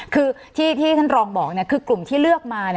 คือที่ท่านรองบอกคือกลุ่มที่เลือกมา